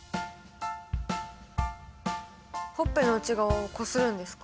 ほっぺの内側をこするんですか？